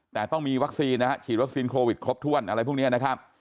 แต่ต้องมีวัคซีนนะฮะฉีดวัคซีนโควิดครบถ้วนอะไรพวกนี้นะครับ